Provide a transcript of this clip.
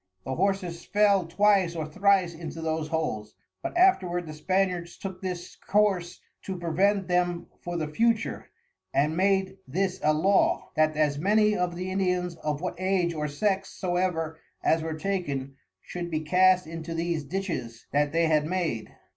The Horses fell twice or thrice into those holes, but afterward the Spaniards took this Course to prevent them for the future; and made this a Law, that as many of the Indians of what Age or Sex soever as were taken, should be cast into these Ditches that they had made.